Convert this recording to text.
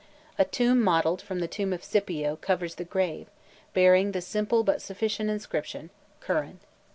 A tomb modelled from the tomb of Scipio covers the grave, bearing the simple but sufficient inscription—CURRAN.